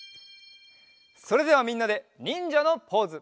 それではみんなでにんじゃのポーズ。